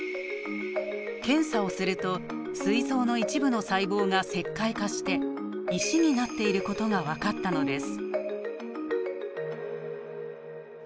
検査をするとすい臓の一部の細胞が石灰化して石になっていることが分かったのです。